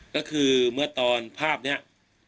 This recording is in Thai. ก็คือเมื่อตอนภาพนี้